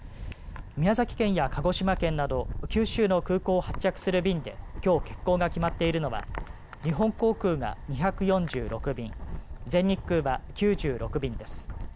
宮崎県や鹿児島県など九州の空港を発着する便できょう欠航が決まっているのは日本航空が２４６便全日空は９６便です。